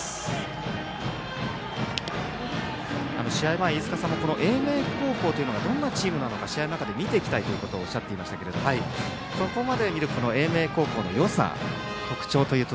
試合前、飯塚さんもこの英明高校というのがどんなチームなのか試合の中で見ていきたいとおっしゃっていましたがここまでで見る英明高校のよさ、特徴というと